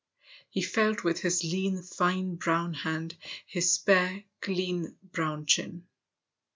He felt with his lean, fine brown hand his spare, clean brown chin.